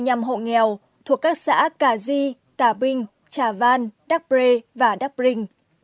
nhằm hộ nghèo thuộc các xã cà di tà binh trà văn đắk pre và đắk brinh